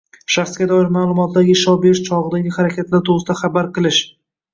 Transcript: Shaxsga doir ma’lumotlarga ishlov berish chog‘idagi harakatlar to‘g‘risida xabardor qilish